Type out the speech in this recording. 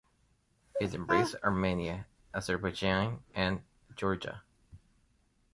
It embraced Armenia, Azerbaijan and Georgia.